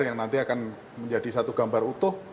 yang nanti akan menjadi satu gambar utuh